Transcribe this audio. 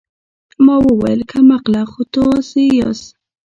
ما وويل کم عقله خو تاسې ياست.